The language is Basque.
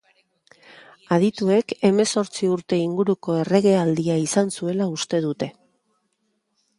Adituek, hemeretzi urte inguruko erregealdia izan zuela uste dute.